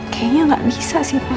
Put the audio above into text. kayaknya gak bisa sih pak